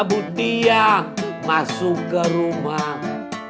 bu diamo masuk ke rumah